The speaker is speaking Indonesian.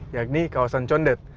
yakni kawasan condet